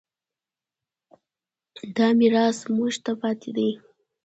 دا میراث موږ ته پاتې دی.